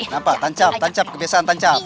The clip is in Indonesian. nampak tancap tancap kebiasaan tancap